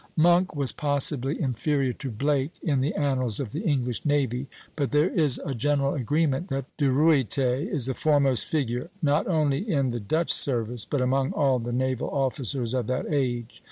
Monk was possibly inferior to Blake in the annals of the English navy; but there is a general agreement that De Ruyter is the foremost figure, not only in the Dutch service, but among all the naval officers of that age.